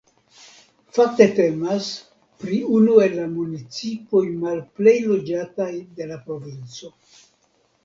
Fakte temas pri unu el la municipoj malplej loĝataj de la provinco.